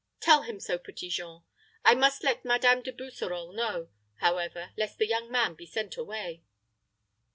Tell him so, Petit Jean. I must let Madame De Busserole know, however, lest the young man be sent away."